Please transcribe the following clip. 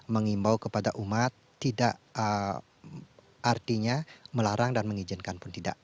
mengimbau kepada umat tidak artinya melarang dan mengizinkan pun tidak